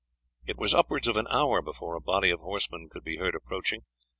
It was upwards of an hour before a body of horsemen could be heard approaching.